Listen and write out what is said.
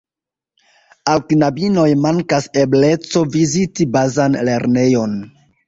Al knabinoj mankas ebleco viziti bazan lernejon.